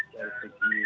dari segi kedekatan